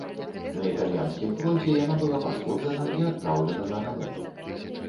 На італьянскім фронце яна была пашкоджана і адпраўлена на рамонт.